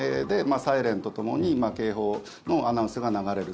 サイレンとともに警報のアナウンスが流れる。